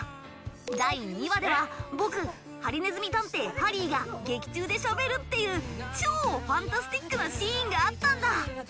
第２話では僕ハリネズミ探偵・ハリーが劇中でしゃべるっていう超ファンタスティックなシーンがあったんだ。